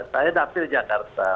saya dapil jakarta